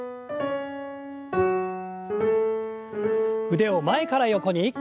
腕を前から横に。